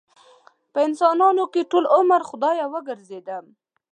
په انسانانو کې ټول عمر خدايه وګرځېدم